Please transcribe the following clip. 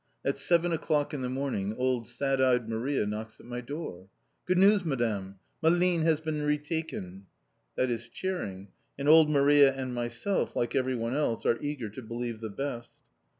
At seven o'clock in the morning old sad eyed Maria knocks at my door. "Good news, Madame! Malines has been retaken!" That is cheering. And old Maria and myself, like everyone else, are eager to believe the best.